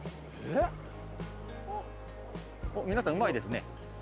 おっ皆さんうまいですね。